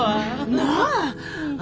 なあ。